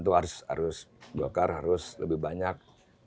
ya tentu harus golkar harus lebih banyak